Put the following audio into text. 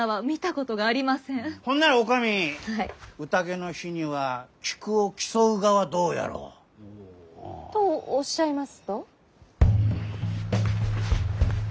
ほんなら女将宴の日には菊を競うがはどうやろう？とおっしゃいますと？